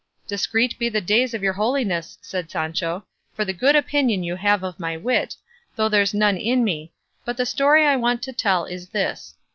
"Discreet be the days of your holiness," said Sancho, "for the good opinion you have of my wit, though there's none in me; but the story I want to tell is this.